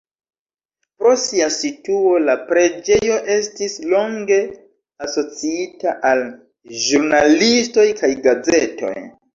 Pro sia situo, la preĝejo estis longe asociita al ĵurnalistoj kaj gazetoj.